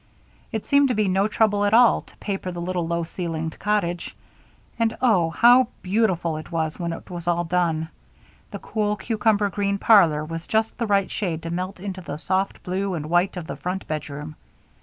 It seemed to be no trouble at all to paper the little low ceilinged cottage, and, oh! how beautiful it was when it was all done. The cool, cucumber green parlor was just the right shade to melt into the soft blue and white of the front bedroom.